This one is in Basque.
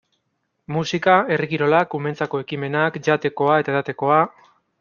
Musika, herri kirolak, umeentzako ekimenak, jatekoa eta edatekoa...